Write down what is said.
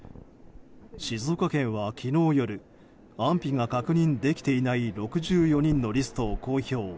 静岡県は昨日夜安否が確認できていない６４人のリストを公表。